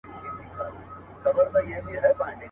د قسمت کارونه ګوره بوډا جوړ سو.